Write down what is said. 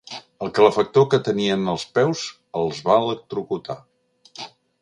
El calefactor que tenien als peus els va electrocutar.